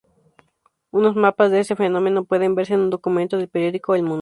Unos mapas de este fenómeno pueden verse en un documento del periódico "El Mundo".